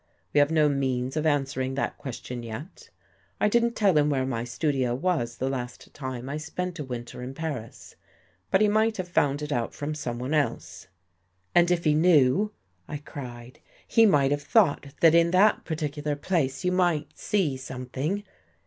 We have no means of answering that question yet. I didn't tell him where my studio was the last time I spent a winter in Paris, but he might have found it out from someone else." " And if he knew," I cried, " he might have thought that in that particular place you might see something.